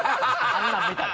あんなの見たら。